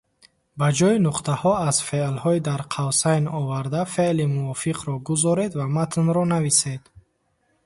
Ба ҷойи нуқтаҳо аз феълҳои дар қавсайн оварда феъли мувофиқро гузоред ва матнро нависед.